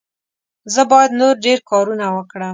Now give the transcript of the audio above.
زه باید نور ډېر کارونه وکړم.